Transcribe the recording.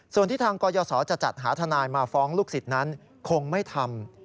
ส่วนที่ทางกรยศจะจัดหาทนายมาฟ้องลูกศิษย์นั้นคงไม่ทำ